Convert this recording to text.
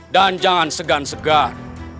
dan jangan segan segan